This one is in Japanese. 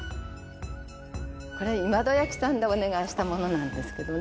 これ今戸焼さんでお願いしたものなんですけどね。